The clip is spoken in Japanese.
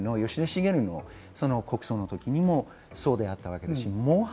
ただ６７年の吉田茂の国葬の時にもそうであったわけです。